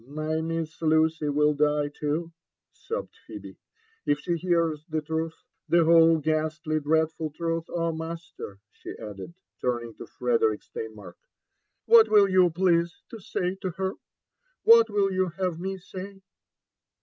*' My Miss Luoy will die too," sobbed Phebe, if she hears the truth— the whole ghastly dreadful truth !^0h, master I" she ^dded, turning to Frederick Steinmark, '* what will you please to say to her ?— what ^ill you have me say?"